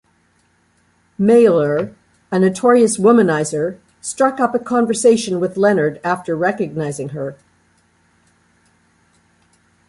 Mailer, a notorious womanizer, struck up a conversation with Leonard after recognizing her.